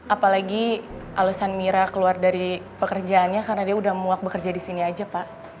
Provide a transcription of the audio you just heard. apalagi alusan mira keluar dari pekerjaannya karena dia udah muak bekerja di sini aja pak